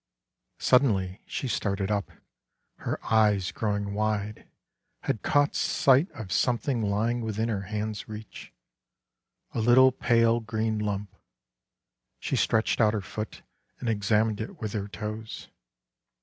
Suddenly she started up, her eyes, growing wide, had caught sight of something lying within her hand's reach, — a little pale green lump ; she stretched out her foot and examined it with her toes.